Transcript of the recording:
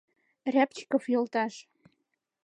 — Рябчиков йолташ...